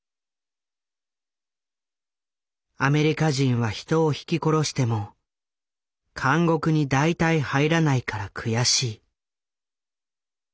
「アメリカ人は人をひき殺しても監獄に大体入らないからくやしい」。